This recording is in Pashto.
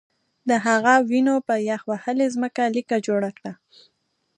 د هغه وینو په یخ وهلې ځمکه لیکه جوړه کړه